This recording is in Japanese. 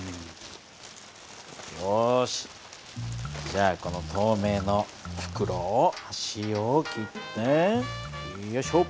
よしじゃあこの透明の袋をはしを切ってよいしょ。